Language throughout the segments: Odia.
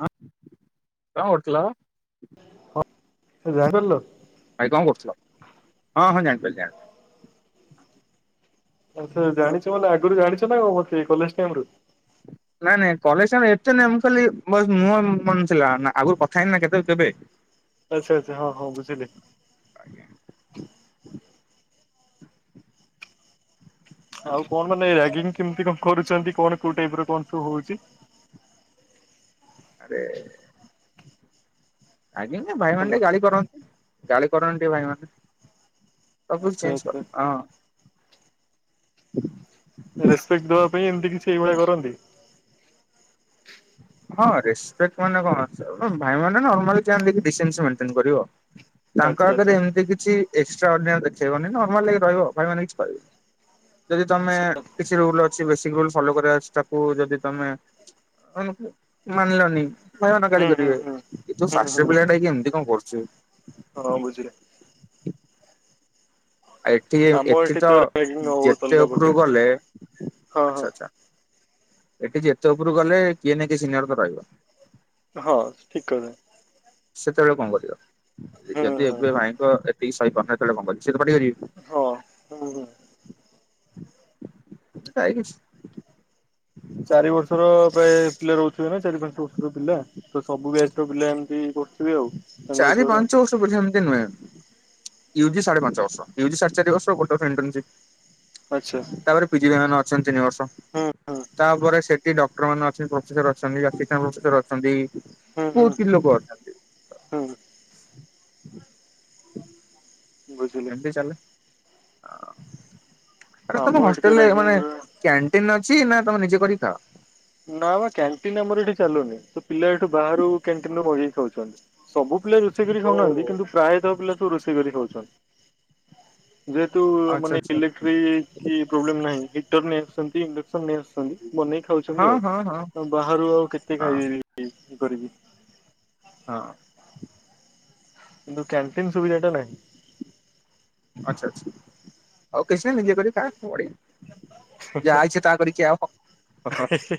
କଣ କରୁଥିଲ। ସିଧା କଲ। ଭାଇ କଣ କରୁଥିଲ ହଁ ହଁ ଜାଣିପାଇଲି ଜାଣି ଆଛା ଜାଣିଛ ମାନେ ଆଗରୁ ଜାଣିଛ ନା ମତେ କଲେଜ ଟାଇମ୍ ରୁ। ନାଇଁ ନାଇଁ କଲେଜ ଟାଇମ୍ ଏତେ ନାଇଁ ମୁଁ ଖାଲି ବାସ୍ ମୁଁହ ମନେ ଥିଲା ନା ଆଗରୁ କଥା ହେଇ ନା କେବେ କେବେ। ଆଚ୍ଛା ଆଚ୍ଛା ହଁ ହଁ ବୁଝିଲି। ଆଉ କଣ ମାନେ ରାଗିଙ୍ଗ୍ କେମିତି କଣ କରୁଛନ୍ତି କଣ କୋଉ ଟାଇପ୍ ର କଣ ସବୁ ହଉଛି। ଆରେ ଆଜ୍ଞା ସେ ଭାଇମାନେ ହ୍ୟାଲୋ ଟିକେ ଗାଳି କରନ୍ତି ଗାଳି କରନ୍ତି ଟିକେ ଭାଇମାନେ। ତାକୁ ଆଚ୍ଛା ଚେଞ୍ଜ ଆଚ୍ଛା କର ହଁ। ରେସପେକ୍ଟ ଦବା ପାଇଁ ଏମିତି କିଛି ଏଇଭଳିଆ କରନ୍ତି। ହଁ ରେସ୍‌ ରେସପେକ୍ଟ ମାନେ କଣ ହଁ ଭାଇମାନେ ନର୍ମାଲି ଚେନ୍ ‌ଦେଇକି ଡିସେନ୍ସ ମେଣ୍ଟେନ କରିବ। ତାଙ୍କ ଆଚ୍ଛା ଆଚ୍ଛା। ଆଗରେ ଏମିତି କିଛି ଏକ୍ସଟ୍ରା ଅର୍ଡିନରୀ ଦେଖେଇବନି ନର୍ମାଲ ହେଇ ରହିବ ଭାଇମାନେ କିଛି କହିବେନି। ଯଦି ତମେ ଆଚ୍ଛା କିଛି ରୁଲ୍ ଅଛି ବେସିକ ରୁଲ୍ ଫଲୋ କରିବାର ଅଛି ତାକୁ ଯଦି ତମେ କୁ ମାନିଲନି ଭାଇମାନେ ଗାଳି ହୁଁ ହୁଁ କରିବେ କି ତୁ ହୁଁ ହୁଁ ଫାର୍ଷ୍ଟ ଇୟର୍ ହୁଁ ପିଲାଟା ହେଇକି ଏମିତି କଣ କରୁଛୁ। ହଁ ବୁଝିଲେ। ଆ ଏଠି ଆମ ଏଠି ତ ରାଗିଙ୍ଗ ବହୁତ ଯେତେ ଅଲଗା ଉପରକୁ ପ୍ରକାର ଗଲେ ହଁ ଆଚ୍ଛା ହଁ ଆଚ୍ଛା। ଏଠି ଯେତେ ଉପରୁ ଗଲେ କିଏ ନା କିଏ ସିନିୟର ତ ରହିବ। ହଁ ଠିକ୍ କଥା। ସେତେବେଳେ କଣ କରିବ। ହୁଁ ଯଦି ହୁଁ ଏବେ ଭାଇଙ୍କ ଏତିକି ସହିପାରୁନ ସେତେବେଳେ କଣ କରିବ। ସିଏ ତ ପାଟି କରିବେ। ହଁ ହୁଁ ହୁଁ। କାଇ କିଛି ଚାରି ବର୍ଷର ପ୍ରାୟ ପିଲା ରହୁଥିବେ ନା ଚାରି ପାଞ୍ଚ ବର୍ଷର ପିଲା। ତ ସବୁ ବ୍ୟାଚର ପିଲା ଏମିତି କରୁଥିବେ ଆଉ। ତାଙ୍କ ଚାରି ହିସାବରେ ଆଉ ପାଞ୍ଚ ବ [unintelligible] ସେମିତି ନୁହେଁ। ଇଏ ହଉଛି ସାଢେ ପାଞ୍ଚ ବର୍ଷ ଇଏ ହେଉଛି ସାଢେ ଚାରି ବର୍ଷ। ଗୋଟେ ବର୍ଷ ଇନଟନସିପ ଆଚ୍ଛା। ତାପରେ ପିଜି ଭାଇ ମାନେ ଅଛନ୍ତି ତିନିିବର୍ଷ। ହୁଁ ହୁଁ ତାପରେ ସେଠି ଡକ୍ଟର ମାନେଅଛନ୍ତି ପ୍ରଫେସର ଅଛନ୍ତି ଆସିଷ୍ଟାନଡ ପ୍ରଫେସର ଅଛନ୍ତି। ହୁଁ ହୁଁ ବହୁତ କିଛି ଲୋକ ଅଛନ୍ତି। ହୁଁ ହୁଁ ବୁଝିଲି ଏମତି ଚାଲେ ଆରେ ଆମ ତମ ଏଠି ତ ହଷ୍ଟେଲରେ ରାଗିଙ୍ଗ ମାନେ ପୁରା କ୍ୟାଣ୍ଟିନ ଅଛି ନା ତମେ ନିଜେ କରିକି ଖାଅ? ନା ବା କ୍ୟାଣ୍ଟିନ ଆମର ଏଠି ଚାଲୁନି ତ ପିଲା ଏଠୁ ବାହାରୁ କ୍ୟାଣ୍ଟିନ ରୁ ମଗେଇ ଖାଉଛନ୍ତି। ସବୁ ପିଲା ରୋଷେଇ କରି ଓ। ଖାଉନାହାନ୍ତି। କିନ୍ତୁ ପ୍ରାୟତଃ ପିଲା ସବୁ ରୋଷେଇ କରି ଖାଉଛନ୍ତି। ଯେହେତୁ ଆଚ୍ଛା ମାନେ ଆଚ୍ଛା ଇଲେକ୍ଟ୍ରି କି ପ୍ରୋବ୍ଲେମ ନାହିଁ ହିଟର ନେଇ ଆସୁଛନ୍ତି ଇଣ୍ଡକ୍ସନ ନେଇ ଆସୁଛନ୍ତି। ବନେଇ ହଁ ଖାଉଛନ୍ତି ଆଉ। ହଁ ହଁ ବାହାରୁ ଆଉ କେତେ ହଁ ପାଇବି ଇଏ କରିକି। ହଁ। କିନ୍ତୁ କ୍ୟାନ୍ଟିନ ସୁବିଧା ଟା ନାହିଁ। ଆଚ୍ଛା ଆଚ୍ଛା ଆଉ କିଛି ନାହିଁ ନିଜେ କରି ଖା ପଳେ ହେଁ ହେଁ ହେଁ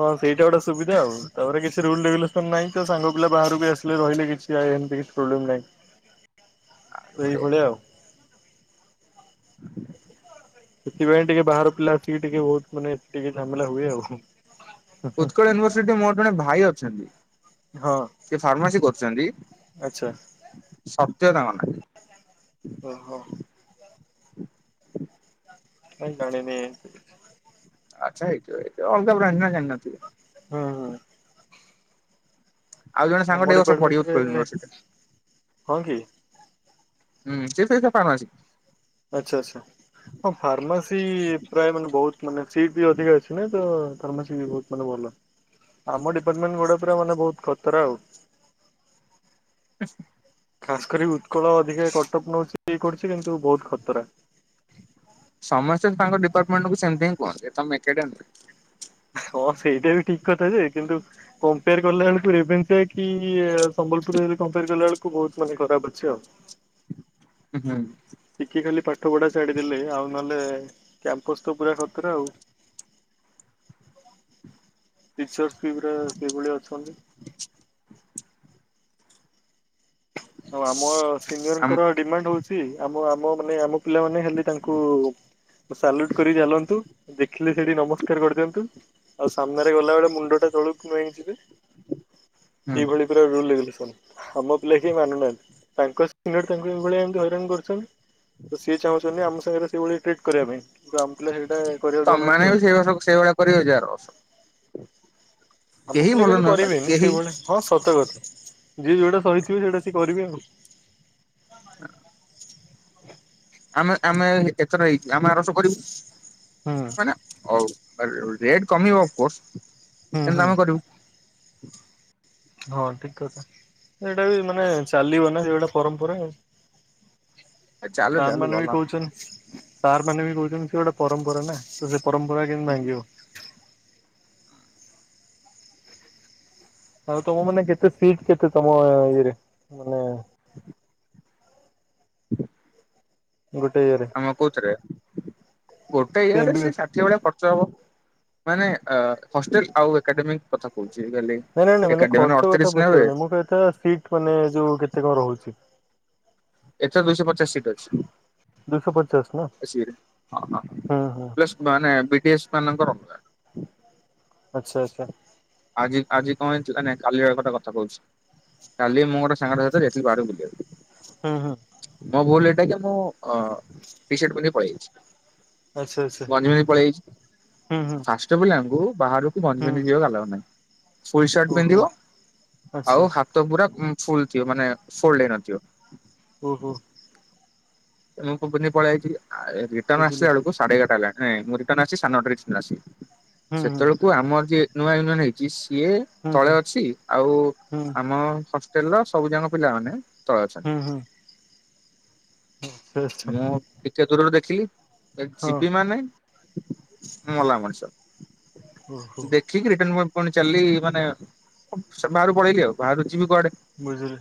ହଁ ସେଇଟା ଗୋଟେ ସୁବିଧା ଆଉ ତାପରେ କି ରୁଲ ରେଗୁଲେସ ନାହିଁ ତ ସାଙ୍ଗ ପିଲା ବାହାରୁ ବି ଆସିଲେ ରହିଲେ କିଛି ଏମିତି କି ପ୍ରୋବ୍ଲେମ ନାହିଁ। ଆହୁରି ବଢିଆ। ଏଇଭଳିଆ ଆଉ। ସେଥିପାଇଁ ଟିକେ ବାହାର ପିଲା ଆସିକି ଟିକେ ବହୁତ ମାନେ ଟିକେ ଝାମେଲା ହୁଏ ଆଉ। ଉତ୍କଳ ୟୁନିଭର୍ସିଟିରେ ମୋର ଜଣେ ଭାଇ ଅଛନ୍ତି। ହଁ। ସେ ଫାର୍ମାସି କରୁଛନ୍ତି। ଆଚ୍ଛା ସତ୍ୟ ତାଙ୍କ ନାଁ। ଓହୋ। କାଇଁ ଜାଣିନି। ଆଚ୍ଛା ହେଇଥିବ ଅଲଗା ବ୍ରାଣ୍ଡ ନା ଯାଣିନଥିବେ। ହଁ ହଁ। ଆଉ ଜଣେ ସାଙ୍ଗଟେ ଆମ ଏ ବର୍ଷ ପଢିବ ଉତ୍କଳ ଡିପାର୍ଟମେଣ୍ଟରେ ୟୁନିଭରସିଟିରେ ହଁ କି? ହୁଁ ସେ ସେଇ ଫାରମାସି। ଆଚ୍ଛା ଆଚ୍ଛା। ହଁ ଫାର୍ମାସି ପ୍ରାୟ ମାନେ ବହୁତ ମାନେ ସିଟ ବି ଅଧିକା ଅଛି ନା ତ ଫାର୍ମାସି ବି ବହୁତ‌ ମାନେ ଭଲ ଆମ ଡିପାର୍ଟମେଣ୍ଟ ଗୁଡା ପୁରା ମାନେ ବହୁତ ଖତରା ଆଉ। ଆ [unintelligible] ଖାସ୍ କରି ଉତ୍କଳ ଅଧିକା କଟକ ନଉଚି ଇଏ କରୁଚି କିନ୍ତୁ ବହୁତ ଖତରା। ସମସ୍ତେ ତାଙ୍କ ଡିପାର୍ଟମେଣ୍ଟ କୁ ସେମିତି ହିଁ କୁହନ୍ତି ତମେ ଏକାଟିଆ ନୁହେଁ। ହଁ ସେଇଟା ବି ଠିକ କଥା ଯେ କିନ୍ତୁ କମ୍ପେୟାର କଲା ବେଳକୁ ରେଭେନସା କି ସମ୍ବଲପୁରରେ କମ୍ପେୟାର କଲା ବେଳକୁ ବହୁତ ମାନେ ଖରାପ ଅଛି ଆଉ। ଆଜ୍ଞା। ଟିକେ ଖାଲି ପାଠପଢ଼ା ଛାଡ଼ିଦେଲେ ଆଉ ନହେଲେ କ୍ୟାମ୍ପସ୍ ତ ପୁରା ଖତରା ଆଉ। ଟିଚରସ ସିପରା ସେଇଭଳିଆ ଅଛନ୍ତି। [unintelligible] ହଁ ଆମ ଆମ ସିନିୟରଙ୍କର ଡିମାଣ୍ଡ ହଉଚି ଆମ ଆମ ମାନେ ଆମ ପିଲାମାନେ ହେଲେ ତାଙ୍କୁ ସାଲୁଟ କରି ଚାଲନ୍ତୁ ଦେଖିଲେ ସେଇଠି ନମସ୍କାର କରିଦିଅନ୍ତୁ। ଆଉ ସାମ୍ନାରେ ଗଲାବେଳେ ମୁଣ୍ଡ ଟା ତଳୁକୁ ନୁଆଁଇକି ଯିବେ। ହୁଁ ଏଇଭଳି ପୁରା ରୁଲ ରେଗୁଲେସନ ଆମ ପିଲା କେହି ମାନୁନାହାନ୍ତି ତାଙ୍କ ସିନିୟର୍ ତାଙ୍କୁ ଏଭଳିଆ ଏମିତି ହଇରାଣ କରିଚନ୍ତି ତ ସିଏ ଚାହୁଁଚନ୍ତି ଆମ ସାଙ୍ଗରେ ସେଇଭଳିଆ ଟ୍ରିଟ୍ କରିବା ପାଇଁ କିନ୍ତୁ ଆମ ପିଲା ସେଇଟା କରିବାକୁ ଦଉନାହାନ୍ତି ତମମାନେ ଆଉ। ବି ସେଇଭଳିଆ ସେଇଭଳିଆ କରିବ କି ଆର ବର୍ଷ। ଆମ କେହି ପିଲା କିନ୍ତୁ ଭଲ ନୁହଁପା କରିବେନି କେହି ସେଇଭଳିଆ ହଁ ସତ କଥା ଯିଏ ଯେଉଁଟା ସହିଥିବେ ସେଇଟା ସିଏ କରିବେ ଆଉ। [unintelligible] ଆମେ ଆମେ ଏଥର ହେଇଚୁ ଆମେ ଆର ବର୍ଷ କରିବୁ ହୁଁ ହନା ହଉ। ରେ ରେଟ କମିବ ଅଫକୋର୍ସ ହୁଁ କେମିତି ହୁଁ ଆମେ କରିବୁ? ହଁ ଠିକ କଥା ଏଇଟା ବି ମାନେ ଚାଲିବ ନା ସେଟା ପରମ୍ପରା ଆଉ। ଚାଲୁ ସାର୍ ଚାଲୁ ମାନେ ଭଲ ବି କହୁଚନ୍ ସାର୍ ମାନେ ବି କହୁଚନ୍ତି ସେ ଗୋଟେ ପରମ୍ପରା ନା ତ ସେ ପରମ୍ପରା କେମିତି ଭାଙ୍ଗିବ। ଆଉ ତମ ମାନେ କେତେ ସିଟ କେତେ ତମ ଇଏରେ ମାନେ ଗୋଟେ ଇଏରେ ତମ କହୁଥିରେ ଗୋଟେ ଇଏରେ ସେ ଚା ସେଇ ଭଳିଆ ଖର୍ଚ୍ଚ ହବ ମାନେ ହଷ୍ଟେଲ ଆଉ ଏକାଡେମିକ କଥା କହୁଛି ଖାଲି ନାଇଁ ନାଇଁ ନାଇଁ ମାନେ ଏକାଡେମି ଖର୍ଚ୍ଚ କଥା ଅଠତିରିଶ ନେବେ ପଚାରୁନି ମୁଁ କହିବା କଥା ସିଟ ମାନେ ଯୋଉ କେତେ କଣ ରହୁଛି? ଏଥର ଦୁଇଶହ ପଚାଶ ସିଟ ଅଛି। ଦୁଇଶହ ପଚାଶ ନା ସିଏ ହଁ ହଁ ହୁଁ ହୁଁ ଗେଶ୍ ମାନେ ବିଗେଶ୍ ମାନଙ୍କର ଅଲଗା। ଆଚ୍ଛା ଆଚ୍ଛା। ଆଜି ଆଜି କଣ ହେଇଥିଲା ନାଇ କାଲି ଆଡ ଗୋଟେ କଥା କହୁଚି। କାଲି ମୁଁ ଗୋଟେ ସାଙ୍ଗଟା ସହିତ ଯାଇଥିଲି ବାହାରକୁ ବୁଲିବାକୁ। ହୁଁ ହୁଁ। ମୋ ଭୁଲ ଏଟା କି ମୁଁ ଅ ଟି ସାର୍ଟ ପିନ୍ଧିକି ପଳେଇଯାଇଚି। ଆଚ୍ଛା ଆଚ୍ଛା ଗଞ୍ଜି ପିନ୍ଧିକି ପଳେଆଇଚି। ହୁଁ ହୁଁ ଫାଷ୍ଟ ଞ୍ଚ ପିଲାଙ୍କୁ ବାହାରକୁ ଗଞ୍ଜି ହୁଁ ପିନ୍ଧିକି ଯିବାକୁ ଆଲାଉ ନାହିଁ। ଫୁଲ ସାର୍ଟ ଓହୋ ପିନ୍ଧିବ ଆଉ ଆଚ୍ଛା ହା ତ ପୁରା ଫୁଲ ଥିବ ମାନେ ଫୋଲଡ ହେଇନଥିବ। ଓହୋ। ମୁଁ ପିନ୍ଧିକି ପଳେଇଆଇଚି ରିଟର୍ନ ବୁଝିଲି ଆସିଲା ବେଳକୁ ସାଢେ ଏାଗରଟା ହେଲା ନା ନାଇ ମୁ ରିଟର୍ନ ଆସିଚି ସାଢେ଼ ନଅଟାରେ ରିଟର୍ନ ଆସିଚି। ହୁଁ ହୁଁ ସେତେବେଳେକୁ ଆମର ଯିଏ ନୂଆ ୟୁନିୟନ ହେଇଚି ସିଏ ତଳେ ହୁଁ ଅଛି ଆଉ ହୁଁ ଆମ ହଷ୍ଟେଲର ସବୁ ଯାକ ପିଲା ମାନେ ତଳେ ଅଛ ଉହୁଁ। ହୁ ହେଁ ମୁଁ ଟିକେ ଦୂରରୁ ଦେଖିଲି ଏ ହଁ ଯିବି ମାନେ ମଲା ମଣିସ। ଓହୋ। ଠିକ ରିଟର୍ଣ ପାଇଁ ପୁଣି ଚାଲଲି ମାନେ ବାହାରକୁ ପଳେଇଲି ଆଉ ବାହାରୁ ଯିବି କୁଆଡେ। ବୁଝିଲି।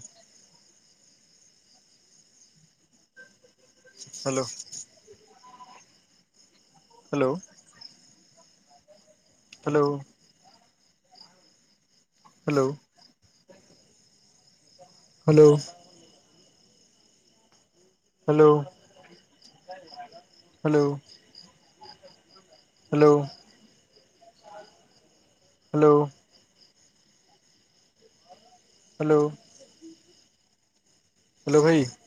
Hello. Hello. Hello. Hello. Hello. Hello hello. Hello hello. Hello. Hello ଭାଇ।